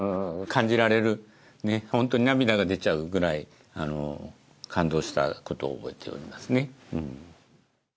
感じられるホントに涙が出ちゃうくらい感動したことを覚えておりますね。